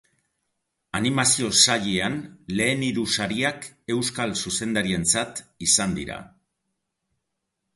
Animazio sailean lehen hiru sariak euskal zuzendarientzat izan dira.